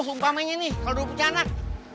sumpah sumpahnya nih kalau lo punya anak